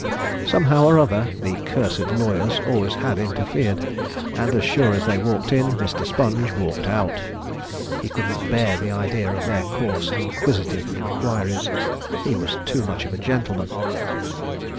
Somehow or other, the 'cursed lawyers' always had interfered; and as sure as they walked in, Mr. Sponge walked out. He couldn't bear the idea of their coarse, inquisitive inquiries. He was too much of a gentleman!